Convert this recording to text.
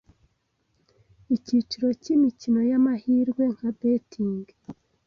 ikiciro cy’imikino y’amahirwe nka Betting